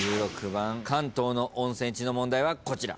１６番関東の温泉地の問題はこちら。